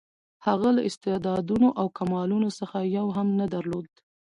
هغه له استعدادونو او کمالونو څخه یو هم نه درلود.